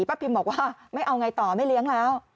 ป้าพิมบอกว่าไม่เอาอย่างไรต่อไม่เลี้ยงแล้ว